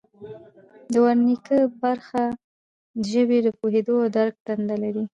د ورنیک برخه د ژبې د پوهیدو او درک دنده لري